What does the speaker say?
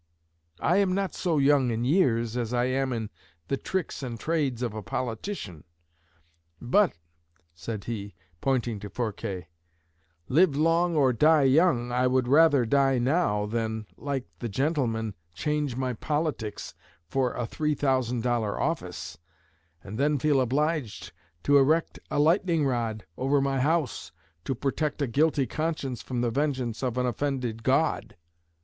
I am not so young in years as I am in the tricks and trades of a politician; but,' said he, pointing to Forquer, 'live long or die young, I would rather die now, than, like the gentleman, change my politics for a three thousand dollar office, and then feel obliged to erect a lightning rod over my house to protect a guilty conscience from the vengeance of an offended God!'"